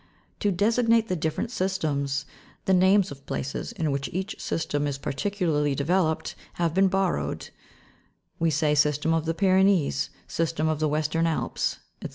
To designate the different systems, the names of places in which each system is particularly developed have been borrowed ; we say, system of the Pyrenees, system of the Western Alps, &c.